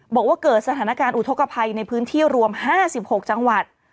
บอกว่าเกิดสถานการณ์อุทธกภัยในพื้นที่รวม๕๖จังหวัด